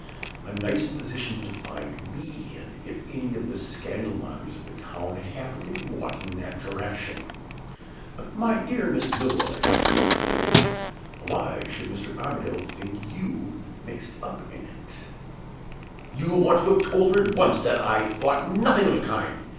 (A nice position to find me in, if any of the scandal mongers of the town had happened to be walking in that direction!) 'My dear Miss Milroy,' says I, 'why should Mr. Armadale think you mixed up in it?'" "You ought to have told her at once that I thought nothing of the kind!"